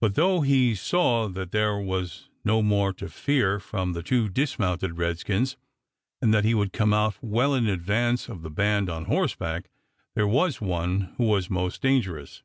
But though he saw that there was no more to fear from the two dismounted redskins, and that he would come out well in advance of the band on horseback, there was one who was most dangerous.